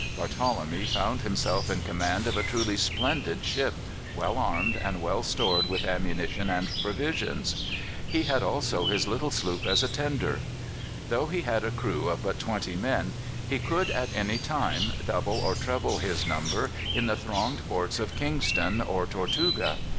Barthelemy found himself in command of a truly splendid ship, well armed, and well stored with ammunition and provisions. He had also his little sloop as a tender. Though he had a crew of but twenty men, he could at any time double or treble his number in the thronged ports of Kingston or Tortuga.